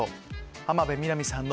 浜辺美波さんの。